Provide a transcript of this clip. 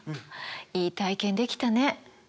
いい体験できたね。